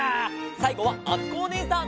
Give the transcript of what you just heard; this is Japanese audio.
さいごはあつこおねえさん！